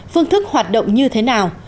phương thức hoạt động như thế nào